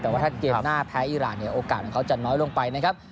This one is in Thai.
แต่ว่าถ้าเกมหน้าแท้อิร่านโอกาสน่อยจะน้อยลงไปนะครับ